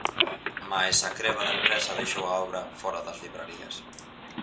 Mais a creba da empresa deixou a obra fóra das librarías.